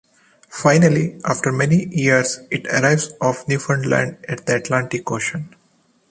Finally after many years it arrives off Newfoundland at the Atlantic Ocean.